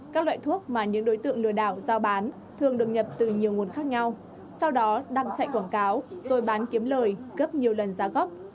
các loại thuốc mà những đối tượng lừa đảo giao bán thường được nhập từ nhiều nguồn khác nhau sau đó đăng chạy quảng cáo rồi bán kiếm lời gấp nhiều lần giá gốc